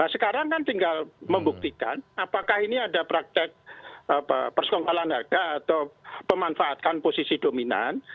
sekarang kan tinggal membuktikan apakah ini ada praktek persekongkolan harga atau pemanfaatkan posisi dominan